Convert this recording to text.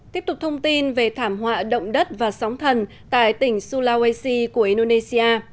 tiếp tục thông tin về thảm họa động đất và sóng thần tại tỉnh sulawesi của indonesia